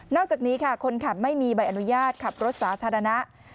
อกจากนี้ค่ะคนขับไม่มีใบอนุญาตขับรถสาธารณะ